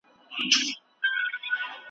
که راپور وي نو معلومات نه ورکیږي.